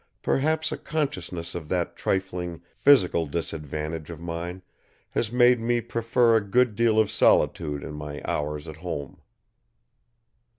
Perhaps a consciousness of that trifling physical disadvantage of mine has made me prefer a good deal of solitude in my hours at home.